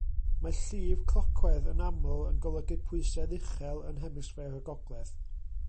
Mae llif clocwedd yn aml yn golygu pwysedd uchel yn Hemisffer y Gogledd.